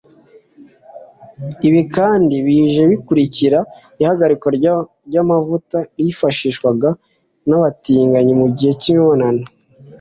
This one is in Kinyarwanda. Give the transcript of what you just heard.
Ibi kandi bije bikurikira ihagarikwa ry’amavuta yifashishwaga n’abatinganyi mu gihe cy’imibonano